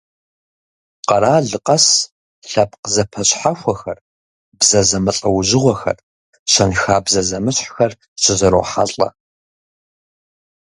Къэрал къэс лъэпкъ зэпэщхьэхуэхэр, бзэ зэмылӏэужьыгъуэхэр, щэнхабзэ зэмыщхьхэр щызэрохьэлӏэ.